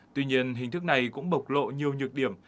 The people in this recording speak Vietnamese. tuy nhiên hình thức này cũng bộc lộ nhiều nhược điểm